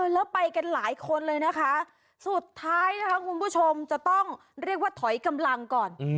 แล้วไปกันหลายคนเลยนะคะสุดท้ายนะคะคุณผู้ชมจะต้องเรียกว่าถอยกำลังก่อน